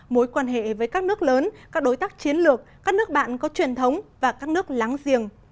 mối quan hệ với các nước lớn các đối tác chiến lược các nước bạn có truyền thống và các nước láng giềng